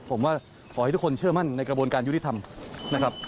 ผมว่าขอให้ทุกคนเชื่อมั่นในกระบวนการยุติธรรมนะครับ